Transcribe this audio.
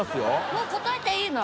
もう答えていいの？